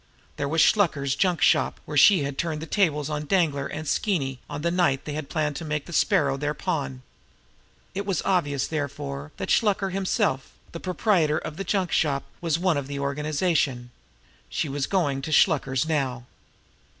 There was Shluker's junk shop where she had turned the tables on Danglar and Skeeny on the night they had planned to make the Sparrow their pawn. It was obvious, therefore, that Shluker himself, the proprietor of the junk shop, was one of the organization. She was going to Shluker's now.